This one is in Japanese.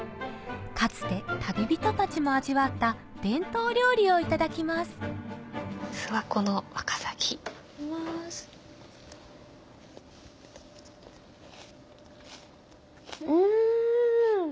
かつて旅人たちも味わった伝統料理をいただきますうん！